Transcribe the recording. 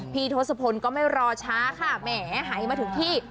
ทศพลก็ไม่รอช้าค่ะแหมหายมาถึงที่